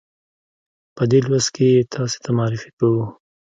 په دې لوست کې یې تاسې ته معرفي کوو.